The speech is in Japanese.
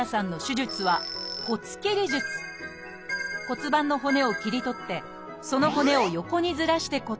骨盤の骨を切り取ってその骨を横にずらして固定。